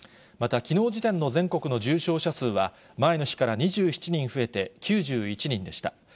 また、きのうの時点の全国の重症者数は、前の日から２７人増えて９１人でした。